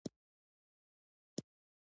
ولایتونه د طبعي سیسټم توازن په پوره ډول ساتي.